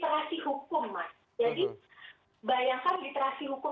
saya kira mereka sebatas pengetahuan saya mereka akan melakukan literasi hukum mas